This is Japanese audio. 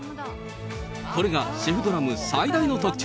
これがシェフドラム最大の特徴。